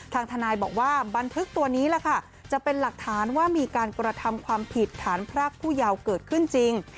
ทางทนายบอกว่าบันทึกตัวนี้แหละค่ะจะเป็นหลักฐานว่ามีการกระทำความผิดฐานพรากผู้เยาว์เกิดขึ้นจริง